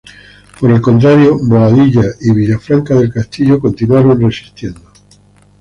Por el contrario, Boadilla y Villafranca del Castillo continuaron resistiendo.